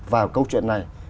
vào câu chuyện này